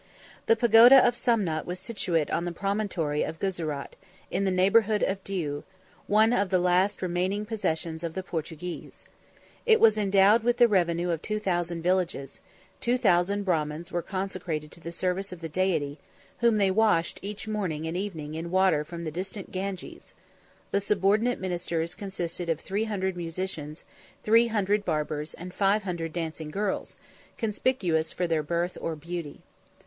The pagoda of Sumnat was situate on the promontory of Guzarat, in the neighborhood of Diu, one of the last remaining possessions of the Portuguese. 7 It was endowed with the revenue of two thousand villages; two thousand Brahmins were consecrated to the service of the Deity, whom they washed each morning and evening in water from the distant Ganges: the subordinate ministers consisted of three hundred musicians, three hundred barbers, and five hundred dancing girls, conspicuous for their birth or beauty.